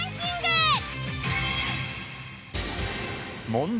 問題。